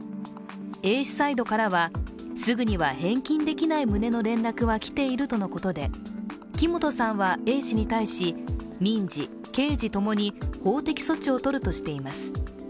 Ａ氏サイドからはすぐに返金できないという旨の連絡は来ているということで木本さんはＡ氏に対し、民事、刑事共に法的措置を取るとしています。